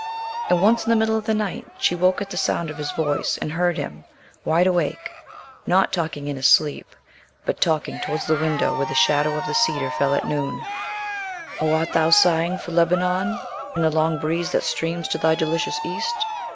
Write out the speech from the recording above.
And once in the middle of the night she woke at the sound of his voice, and heard him wide awake, not talking in his sleep but talking towards the window where the shadow of the cedar fell at noon: O art thou sighing for Lebanon In the long breeze that streams to thy delicious East?